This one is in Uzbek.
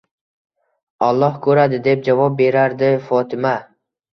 Alloh ko'radi, — deb javob berardi Fotima.